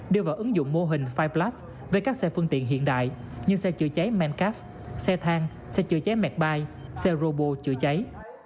đưa vào ứng dụng mô hình năm plus về các xe phương tiện hiện đại như xe chữa cháy mancap xe thang xe chữa cháy mecbai xe robo chữa cháy